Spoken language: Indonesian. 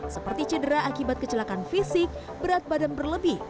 seperti cedera akibat kecelakaan fisik berat badan berlebih